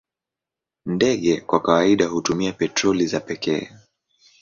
Ndege kwa kawaida hutumia petroli za pekee.